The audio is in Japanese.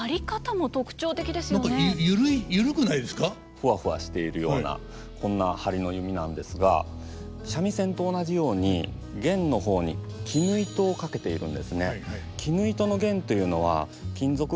ふわふわしているようなこんな張りの弓なんですが三味線と同じように絃の方に絹糸を掛けているんですね。